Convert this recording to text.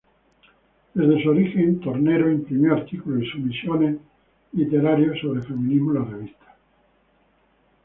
Desde su origen, Tornero imprimió artículos y sumisiones literarios sobre feminismo en la revista.